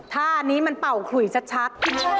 ท่านี้มันเป่าขุยชัด